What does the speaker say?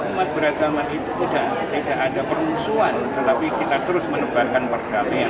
umat beragama itu sudah tidak ada perusuhan tetapi kita terus menebarkan pergabian